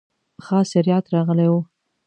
خاص شریعت راغلی و.